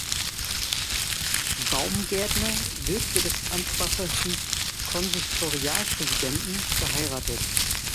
Baumgärtner, Witwe des ansbachischen Konsistorialpräsidenten, geheiratet.